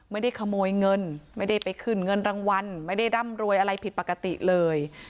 ไม่ได้ขโมยเงินไม่ได้ไปขึ้นเงินรางวัลไม่ได้ร่ำรวยอะไรผิดปกติเลย